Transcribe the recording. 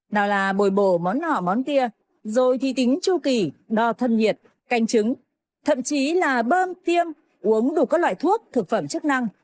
nào là bồi bổ món nọ món tia rồi thì tính chu kỳ đo thân nhiệt canh trứng thậm chí là bơm tiêm uống đủ các loại thuốc thực phẩm chức năng